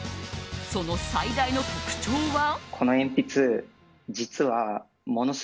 その最大の特徴は。